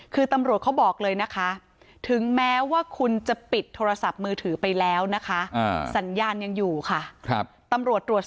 คือตำรวจเขาบอกเลยนะคะถึงแม้ว่าคุณจะปิดโทรศัพท์มือถือไปแล้วนะคะ